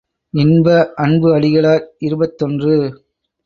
இன்ப அன்பு அடிகளார் இருபத்தொன்று.